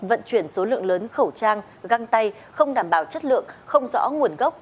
vận chuyển số lượng lớn khẩu trang găng tay không đảm bảo chất lượng không rõ nguồn gốc